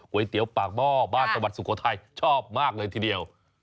ก๋วยเตี๋ยวปากม่อบ้านสวัสดิ์สุโขทัยชอบมากเลยทีเดียว